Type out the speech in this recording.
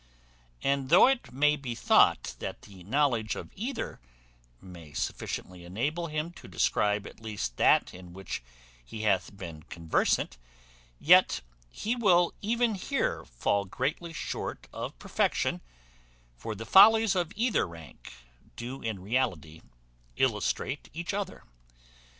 And though it may be thought that the knowledge of either may sufficiently enable him to describe at least that in which he hath been conversant, yet he will even here fall greatly short of perfection; for the follies of either rank do in reality illustrate each other.